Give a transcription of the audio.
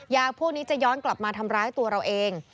พวกนี้จะย้อนกลับมาทำร้ายตัวเราเอง